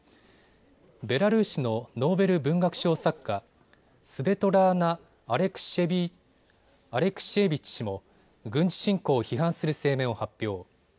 ベラルーシのノーベル文学賞作家、スベトラーナ・アレクシェービッチ氏も軍事侵攻を批判する声明を発表。